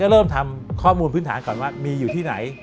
แล้วเริ่มทำข้อมูลพื้นฐานก่อนว่าต้องมีที่ไหน